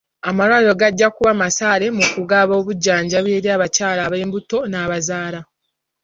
Amalwaliro gajja kuba masaale mu kugaba obujjanjabi eri abakyala abali embuto n'abazaala.